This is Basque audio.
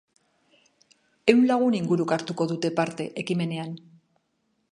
Ehun lagun inguruk hartuko dute parte ekimenean.